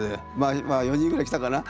まあ４人ぐらい来たかな？